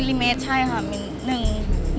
มิลลิเมตรใช่ค่ะ